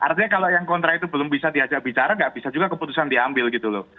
artinya kalau yang kontra itu belum bisa diajak bicara nggak bisa juga keputusan diambil gitu loh